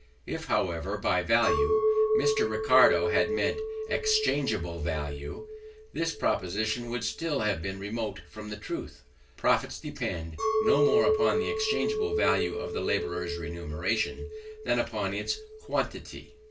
If, however, by value, Mr. Ricardo had meant exchangeable value, his proposition would still have been remote from the truth. Profits depend no more upon the exchangeable value of the labourer's remuneration, than upon its quantity.